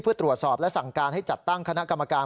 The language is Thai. เพื่อตรวจสอบและสั่งการให้จัดตั้งคณะกรรมการ